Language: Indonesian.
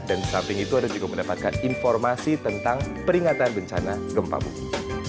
dan di samping itu anda juga mendapatkan informasi tentang peringatan bencana gempa bumi